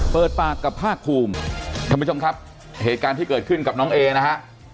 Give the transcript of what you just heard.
เปิดปากกับภาคภูมิท่านผู้ชมครับเหตุการณ์ที่เกิดขึ้นกับน้องเอนะฮะ